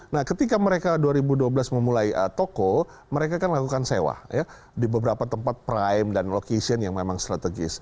nah ketika mereka dua ribu dua belas memulai toko mereka kan lakukan sewa di beberapa tempat prime dan location yang memang strategis